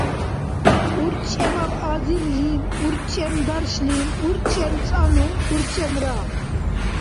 урчӀемал азирлим урчӀемдаршлим урчӀемцӀанну урчӀемра